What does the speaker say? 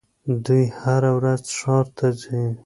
دوی هره ورځ ښار ته ځي.